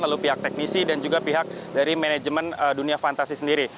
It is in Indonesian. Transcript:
lalu pihak teknisi dan juga pihak dari manajemen dunia fantasi sendiri